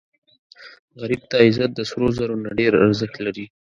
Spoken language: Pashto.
غریب ته عزت د سرو زرو نه ډېر ارزښت لري